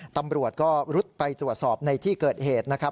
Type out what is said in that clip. ตำรวจก็รุดไปตรวจสอบในที่เกิดเหตุนะครับ